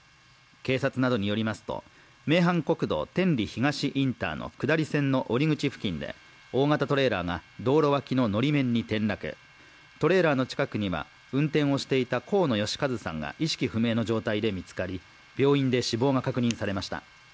警察などによりますと名阪国道天理東インターの下り線の降り口付近で大型トレーラーが道路脇ののり面に転落、トレーラーの近くには運転をしていた河野義和さんが意識不明の状態で見つかり、病院で死亡が確認されました。